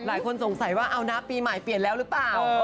หลายคนสงสัยว่าเอานะปีใหม่เปลี่ยนแล้วหรือเปล่า